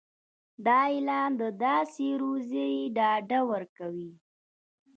دا اعلان د داسې روزي ډاډ ورکوي.